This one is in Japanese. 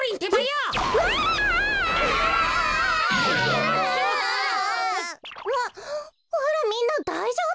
うわっあらみんなだいじょうぶ？